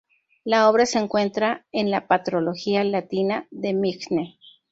La obra se encuentra en la "Patrología latina" de Migne.